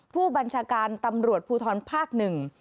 ผู้บัญชาการตำรวจภูทรภาคหนึ่ง